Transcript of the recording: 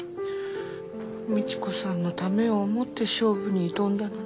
みち子さんのためを思って勝負に挑んだのに。